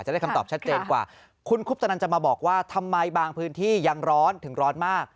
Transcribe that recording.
ได้คำตอบชัดเจนกว่าคุณคุปตนันจะมาบอกว่าทำไมบางพื้นที่ยังร้อนถึงร้อนมาก